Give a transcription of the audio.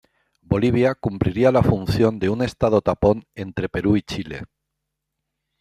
Bolivia cumpliría la función de un Estado tapón entre Perú y Chile.